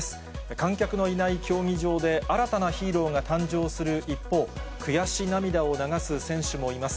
観客のいない競技場で新たなヒーローが誕生する一方、悔し涙を流す選手もいます。